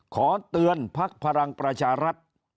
ขอเตือนภักดิ์พลังประชารัฐ